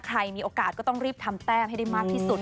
ใครมีโอกาสก็ต้องรีบทำแต้มให้ได้มากที่สุด